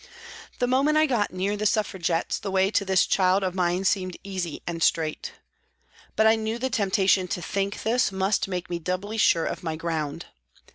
" The moment I got near the Suffragettes the way to this child of mine seemed easy and straight. But I knew the temptation to think this must make me doubly sure of my ground.